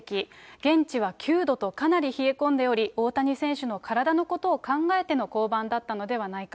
現地は９度とかなり冷え込んでおり、大谷選手の体のことを考えての降板だったのではないか。